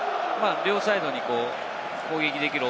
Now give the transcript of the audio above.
両サイドに攻撃できるオ